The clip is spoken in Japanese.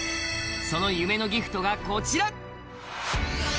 その夢のギフトがこちら！